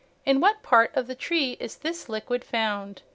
In what part of the tree is this liquid found?